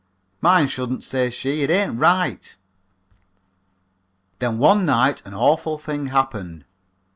"'Mine shouldn't,' says she. 'It ain't right.' "Then one night an awful thing happened.